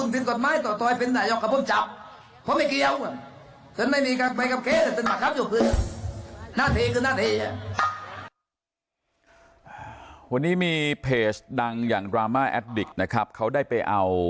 วันนี้มีเพจดังอย่างกลางข้อใจปฏิบัติสิทธิ์นะครับเขาได้ไปเอา